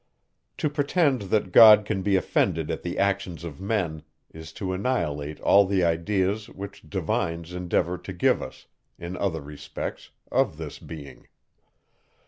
To pretend, that God can be offended at the actions of men, is to annihilate all the ideas, which divines endeavour to give us, in other respects, of this being.